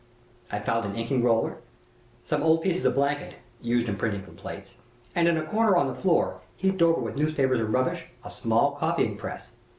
"I found an inking roller, some old pieces of blanket (used in printing from plates), and in a corner on the floor, heaped over with newspapers and rubbish, a small copying press.